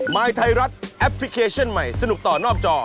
ยไทยรัฐแอปพลิเคชันใหม่สนุกต่อนอกจอ